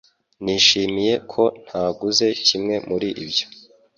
Nishimiye ko ntaguze kimwe muri ibyo